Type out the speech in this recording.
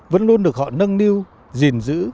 vẫn luôn được họ nâng niu gìn giữ